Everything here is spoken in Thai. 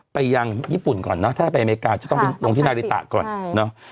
ไปยังญี่ปุ่นก่อนนะถ้าไปอเมริกาจะต้องไปลงที่นาริตะก่อนเนอะ